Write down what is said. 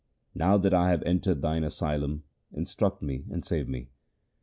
Now that I have entered thine asylum instruct me and save me.'